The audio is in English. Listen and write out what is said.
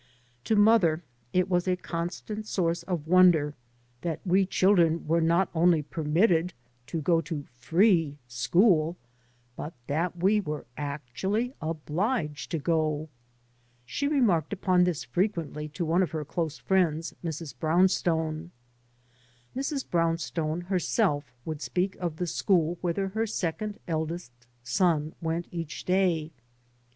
To mother it was a constant source of won der that we children were not only permitted 3 by Google MX MOTHER AND I to go to free school, but that we were actually obliged to go. She remarked upon this fre quently to one of her close friends, Mrs. Brownstone. Mrs. Brownstone herself would speak of the school whither her second eldest son went each dsy.